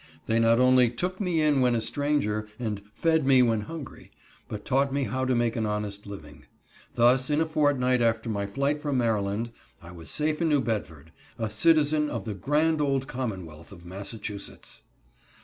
They not only "took me in when a stranger" and "fed me when hungry," but taught me how to make an honest living. Thus, in a fortnight after my flight from Maryland, I was safe in New Bedford, a citizen of the grand old commonwealth of Massachusetts.